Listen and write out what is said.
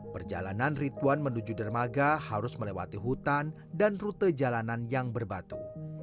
perjalanan rituan menuju dermaga harus melewati hutan dan rute jalanan yang berbatu